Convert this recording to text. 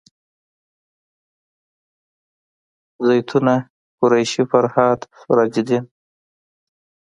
زیتونه قریشي فرهاد سراج الدین